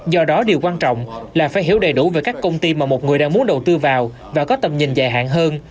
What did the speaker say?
do đó điều quan trọng là phải hiểu đầy đủ về các công ty mà một người đang muốn đầu tư vào và có tầm nhìn dài hạn hơn